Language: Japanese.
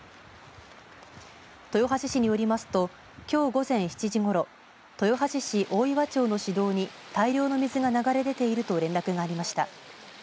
豊橋市によりますときょう午前７時ごろ豊橋市大岩町の市道に大量の水が流れ出ていると連絡がありました。